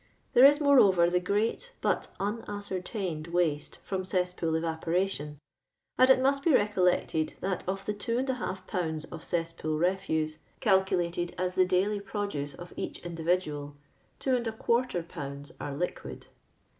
There is, moreover, the great hut unascer tained waste from cesspool evaporation, and it must be recollected that of the 2ilbs. of cesspool refuse, calculated as the daily produce of each individual, 2^1bs. are liquid.